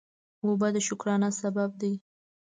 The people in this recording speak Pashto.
اوبه د شکرانه سبب دي.